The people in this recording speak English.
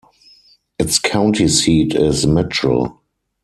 Its county seat is Mitchell.